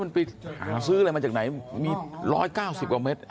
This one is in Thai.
มันไปหาซื้ออะไรมาจากไหนมี๑๙๐กว่าเม็ด